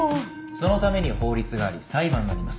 そのために法律があり裁判があります。